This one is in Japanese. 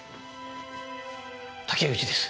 竹内です。